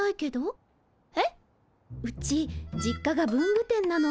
うち実家が文具店なの。